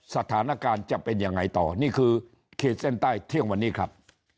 สถานการณ์จะเป็นยังไงต่อนี่คือขีดเส้นใต้เที่ยงวันนี้ครับ